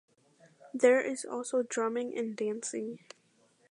There is also drumming and dancing.